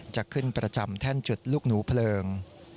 จะขึ้นประจำแท่นจุดลูกหนูเพลิง